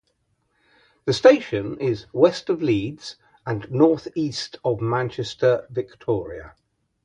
The station is west of Leeds and north east of Manchester Victoria.